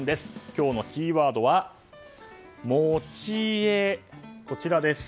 今日のキーワードは「もちエ」。